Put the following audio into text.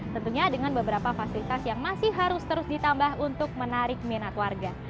tentunya dengan beberapa fasilitas yang masih harus terus ditambah untuk menarik minat warga